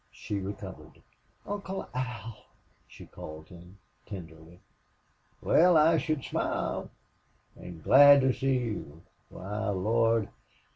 She recovered. "Uncle Al!" she called him, tenderly. "Wal, I should smile! An' glad to see you why Lord!